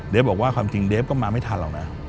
บอกว่าความจริงเดฟก็มาไม่ทันหรอกนะ